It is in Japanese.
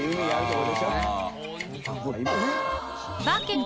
これ。